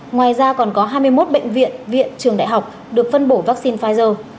ngoài ra còn có hai mươi một bệnh viện viện trường đại học được phân bổ vaccine pfizer